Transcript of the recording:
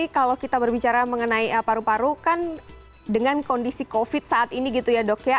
kalau kita berbicara mengenai paru paru kan dengan kondisi covid saat ini gitu ya dok ya